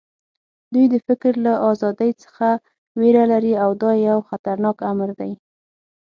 دوی د فکر له ازادۍ څخه وېره لري او دا یو خطرناک امر دی